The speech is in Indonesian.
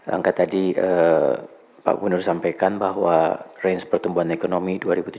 angka tadi pak gubernur sampaikan bahwa range pertumbuhan ekonomi dua ribu tujuh belas